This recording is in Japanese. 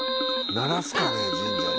鳴らすかね神社で。